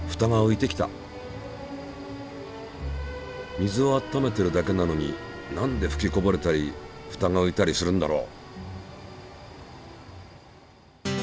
水を温めてるだけなのになんでふきこぼれたりふたがういたりするんだろう？